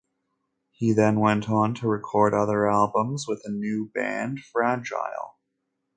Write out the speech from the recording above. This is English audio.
He then went on to record other albums with a new band, Fragile.